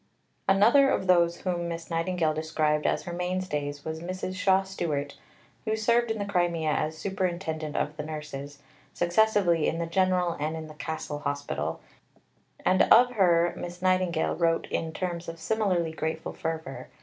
Another of those whom Miss Nightingale described as her mainstays was Mrs. Shaw Stewart, who served in the Crimea as Superintendent of the nurses, successively in the "General" and in the "Castle" Hospital, and of her Miss Nightingale wrote in terms of similarly grateful fervour.